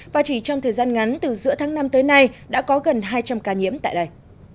và chỉ trong thời gian ngắn từ giữa tháng năm tới nay đã có gần hai trăm linh ca nhiễm tại đây